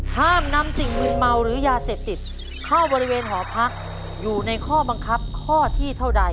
ห้ามนำสิ่งมืนเมาหรือยาเสพติดเข้าบริเวณหอพักอยู่ในข้อบังคับข้อที่เท่าใด